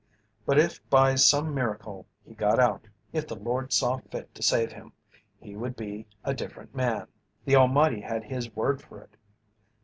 But if by some miracle he got out if the Lord saw fit to save him he would be a different man. The Almighty had his word for it.